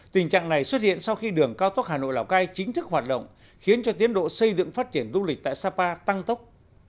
tình trạng này xuất hiện sau khi đường cao tốc hà nội lào cai chính thức hoạt động khiến cho tiến độ xây dựng phát triển du lịch tại sapa tăng tốc